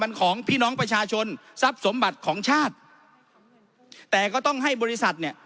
มันของพี่น้องประชาชนทรัพย์สมบัติของชาติแต่ก็ต้องให้บริษัทเนี่ย